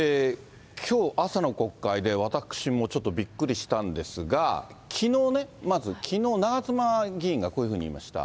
きょう朝の国会で私もちょっとびっくりしたんですが、きのうね、まずきのう、長妻議員がこういうふうに言いました。